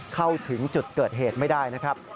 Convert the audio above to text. เข้าถึงจุดเกิดเหตุไม่ได้นะครับ